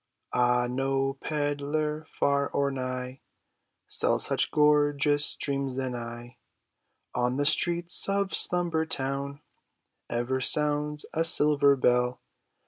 Ah, no pedler far or nigh Sells such gorgeous dreams as I !" On the streets of Slumber town Ever sounds a silver bell.